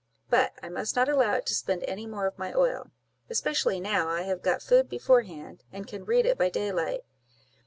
but I must not allow it to spend any more of my oil, especially now I have got food before hand, and can read it by daylight.